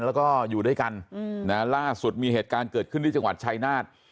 แล้วก็อยู่ด้วยกันล่าสุดมีเหตุการณ์เกิดขึ้นที่จังหวัดชายนาฏ